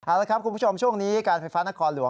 เอาละครับคุณผู้ชมช่วงนี้การไฟฟ้านครหลวง